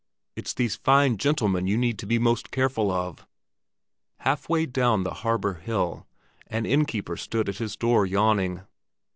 "It's these fine gentlemen you need to be most careful of." Half way down the harbor hill, an inn keeper stood at his door yawning.